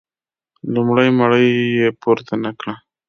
لومړۍ مړۍ یې پورته نه کړه.